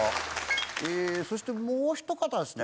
えそしてもうひと方ですね